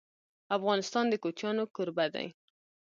افغانستان د کوچیانو کوربه دی..